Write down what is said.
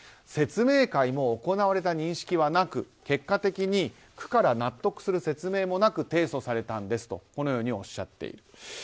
説明会も行われた認識はなく結果的に区から納得する説明もなく提訴されたんですとおっしゃっています。